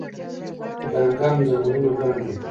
د دانګام ځنګلونه ګڼ دي